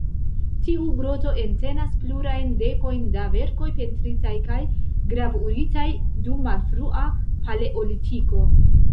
Tiu groto entenas plurajn dekojn da verkoj pentritaj kaj gravuritaj dum malfrua Paleolitiko.